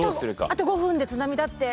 あと５分で津波だって！